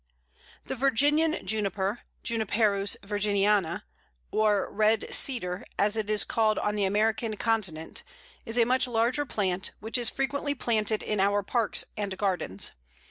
] The Virginian Juniper (Juniperus virginiana), or "Red Cedar," as it is called on the American continent, is a much larger plant, which is frequently planted in our parks and gardens.